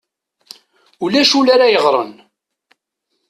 Ulac ul ara yeɣren.